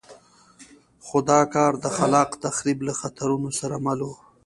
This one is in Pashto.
خو دا کار د خلاق تخریب له خطرونو سره مل وو.